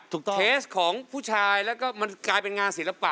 เคสของผู้ชายแล้วก็มันกลายเป็นงานศิลปะ